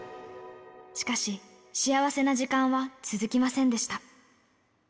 しかし、幸せな時間は続きませんでした。